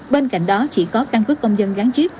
bên cạnh đó chỉ có căn cứ công dân gắn chip